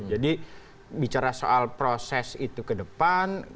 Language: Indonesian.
jadi bicara soal proses itu ke depan